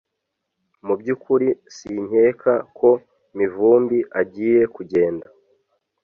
Mubyukuri sinkeka ko Mivumbi agiye kugenda